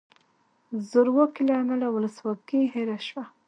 زورواکۍ له امله ولسواکي هیره شوه.